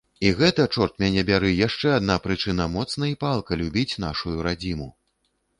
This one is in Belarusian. І гэта, чорт мяне бяры, яшчэ адна прычына моцна і палка любіць нашую радзіму!